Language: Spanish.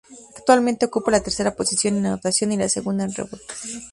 Actualmente ocupa la tercera posición en anotación y la segunda en rebotes.